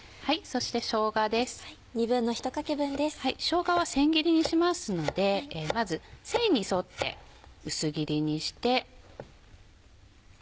しょうがは千切りにしますのでまず繊維に沿って薄切りにして。